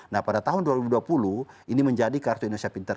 nah pada tahun dua ribu dua puluh ini menjadi kartu indonesia pintar